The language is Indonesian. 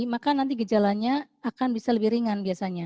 maka nanti gejalanya akan bisa lebih ringan biasanya